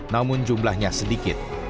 namun jumlahnya sedikit